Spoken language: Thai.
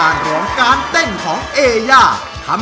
มันคือการแสดงนะทุกคน